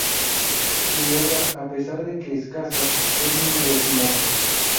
Su obra, a pesar de que escasa, es muy refinada.